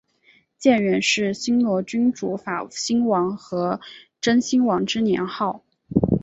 建元是新罗君主法兴王和真兴王之年号。